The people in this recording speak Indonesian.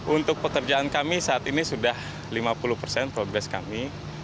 untuk pekerjaan kami saat ini sudah lima puluh persen progres kami